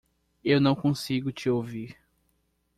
Eu não consigo te ouvir.